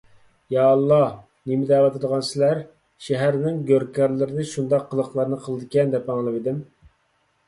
يا ئاللاھ، نېمە دەۋاتىدىغانسىلەر؟ شەھەرنىڭ گۆركارلىرىنى شۇنداق قىلىقلارنى قىلىدىكەن، دەپ ئاڭلىۋىدىم.